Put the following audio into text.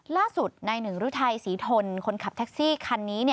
ล่าสุดนายหนึ่งฤทัยศรีทนคนขับแท็กซี่คันนี้